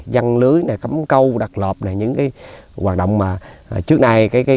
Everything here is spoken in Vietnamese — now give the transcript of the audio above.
dăng lưới cấm câu đặt lọp những hoạt động mà trước nay